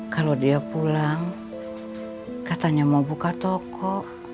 kalau dia pulang katanya mau buka toko